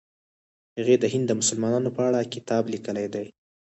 هغې د هند د مسلمانانو په اړه کتاب لیکلی دی.